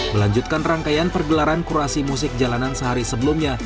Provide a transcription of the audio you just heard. melanjutkan rangkaian pergelaran kurasi musik jalanan sehari sebelumnya